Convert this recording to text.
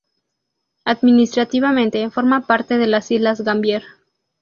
Administrativamente, forma parte de las islas Gambier.